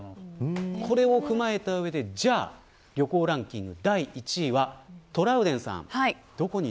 これを踏まえた上で、じゃあ旅行ランキング第１位はトラウデンさん